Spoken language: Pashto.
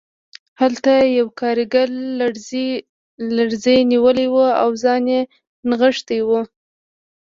هلته یو کارګر لړزې نیولی و او ځان یې نغښتی و